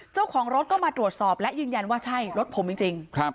เจ้าของรถก็มาตรวจสอบและยืนยันว่าใช่รถผมจริง